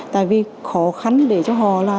tại vì khó khăn để cho họ